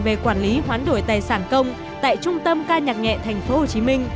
về quản lý hoán đổi tài sản công tại trung tâm ca nhạc nhẹ thành phố hồ chí minh